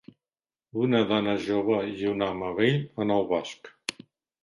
Una dona jove i un home vell en el bosc.